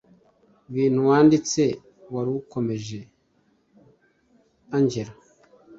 bintu wanditse warukomeje engella